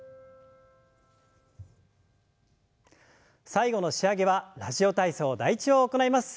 最後の仕上げは「ラジオ体操第１」を行います。